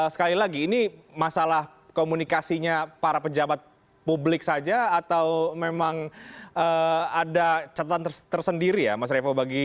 sekali lagi ini masalah komunikasinya para pejabat publik saja atau memang ada catatan tersendiri ya mas refo bagi menteri agama ini